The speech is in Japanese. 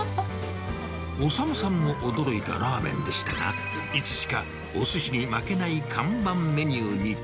修さんも驚いたラーメンでしたが、いつしかおすしに負けない看板メニューに。